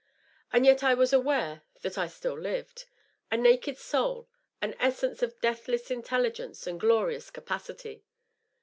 And yet I was aware that I still lived, a naked soul, an essence of deathless intelligence and glorious capacity.